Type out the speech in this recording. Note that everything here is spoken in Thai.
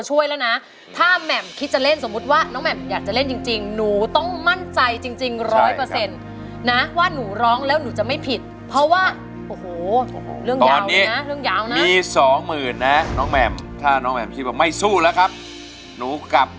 เคยค่ะเมื่อคืนฟังหลายรอบเลยครับ